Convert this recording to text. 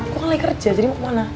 gue kan lagi kerja jadi mau kemana